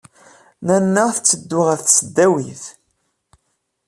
Nanna tetteddu ɣer tesdawit.